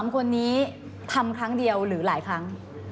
๓คนนี้ทำครั้งเดียวหรือหลายครั้ง